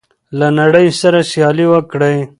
له نړۍ سره سیالي وکړئ.